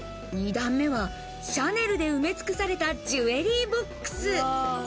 ２段目はシャネルで埋め尽くされたジュエリーボックス。